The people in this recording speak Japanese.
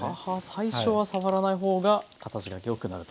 最初は触らない方が形が良くなる。